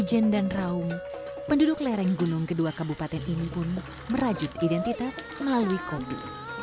kopi dan tradisi